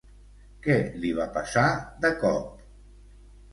Què li va passar, de cop?